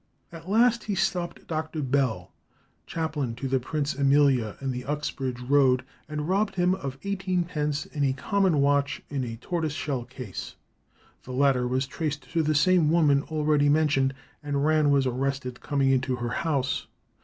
At last he stopped Dr. Bell, chaplain to the Princess Amelia, in the Uxbridge Road, and robbed him of eighteen pence and a common watch in a tortoise shell case; the latter was traced to the same woman already mentioned, and Rann was arrested coming into her house.